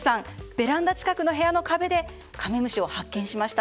ベランダ近くの部屋の壁でカメムシを発見しました。